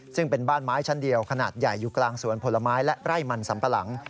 ซึ่งเป็นบ้านไม้ชั้นเดียวขนาดใหญ่อยู่กลางสวนผลไม้และไร่มันสัมปะหลัง